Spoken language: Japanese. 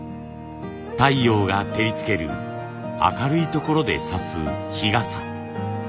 太陽が照りつける明るいところで差す日傘。